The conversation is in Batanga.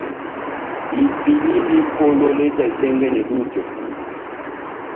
Itilindi mʼpolo leta itɛ́ngɛ́nɛ dutɛ.